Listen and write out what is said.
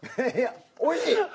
いやいやおいしい。